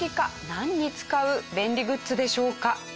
何に使う便利グッズでしょうか？